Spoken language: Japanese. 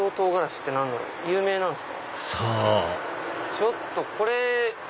ちょっとこれ。